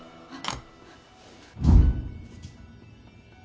あっ。